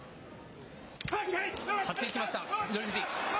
張っていきました、翠富士。